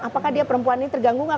apakah dia perempuan ini terganggu nggak